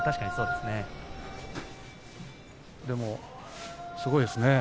でもすごいですね